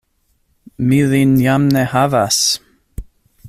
Mi lin jam ne havas!